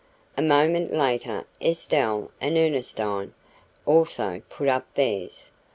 A moment later Estelle and Ernestine also put up theirs.